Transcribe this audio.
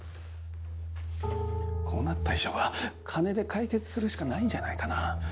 こうなった以上は金で解決するしかないんじゃないかな。